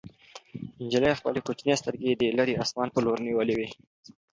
نجلۍ خپلې کوچنۍ سترګې د لیرې اسمان په لور نیولې وې.